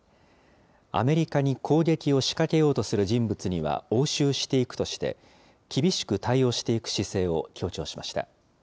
アメリカに攻撃を仕掛けようとする人物には応酬していくとして、厳しく対応していく姿勢を強調しました。